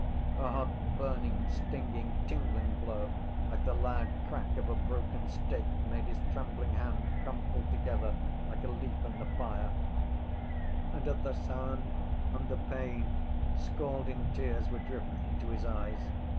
A hot burning stinging tingling blow like the loud crack of a broken stick made his trembling hand crumple together like a leaf in the fire: and at the sound and the pain scalding tears were driven into his eyes.